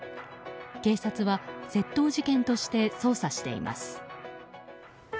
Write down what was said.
警察は窃盗事件として捜査しています。